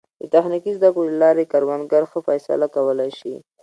د تخنیکي زده کړو له لارې کروندګر ښه فیصله کولی شي.